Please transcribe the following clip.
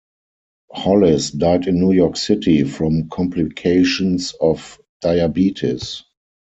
Hollis died in New York City from complications of diabetes.